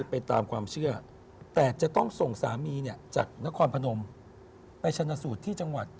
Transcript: ไปตามความเชื่อแต่จะต้องส่งสามีเนี่ยจากนครพนมไปชนะสูตรที่จังหวัด